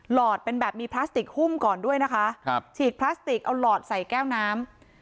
หอดเป็นแบบมีพลาสติกหุ้มก่อนด้วยนะคะครับฉีดพลาสติกเอาหลอดใส่แก้วน้ำ